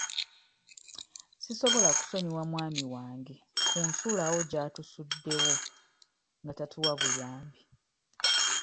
Sisobola kusonyiwa mwami wange ku nsuulawo gy'atusuddewo nga tatuwa buyambi.